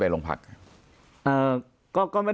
ปากกับภาคภูมิ